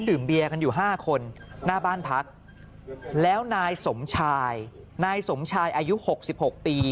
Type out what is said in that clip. ดื่มเบียกันอยู่๕คนหน้าบ้านพักแล้วนายสมชายนายสมชายอายุ๖๖ปี